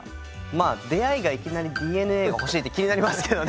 まあ出会いがいきなり「ＤＮＡが欲しい」って気になりますけどね。